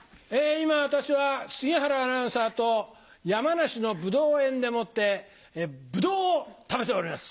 今私は杉原アナウンサーと山梨のぶどう園でもってぶどうを食べております！